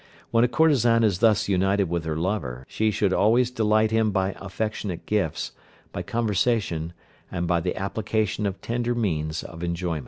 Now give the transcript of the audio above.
When a courtesan is thus united with her lover she should always delight him by affectionate gifts, by conversation, and by the application of tender means of enjoyment."